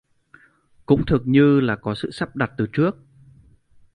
cũng thực như là có sự sắp đặt từ trước